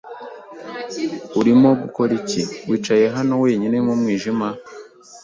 Urimo ukora iki wicaye hano wenyine mu mwijima?